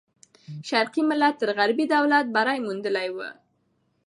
شرقي ملت تر غربي دولت بری موندلی وو.